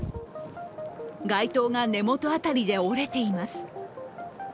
街灯が根元辺りで折れています。